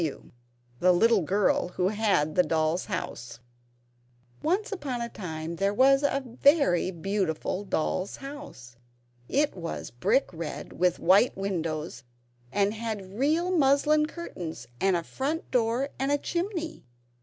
W., the Little Girl Who Had the Doll's House] Once upon a time there was a very beautiful doll's house; it was red brick with white windows, and it had real muslin curtains and a front door and a chimney.